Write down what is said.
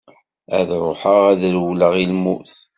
Ad ruḥeγ ad rewleγ i lmut.